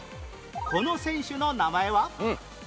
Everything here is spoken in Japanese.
この選手の名前は？